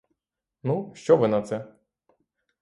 Ну, що ви на це?